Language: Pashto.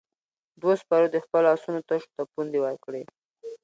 دوو سپرو د خپلو آسونو تشو ته پوندې ورکړې.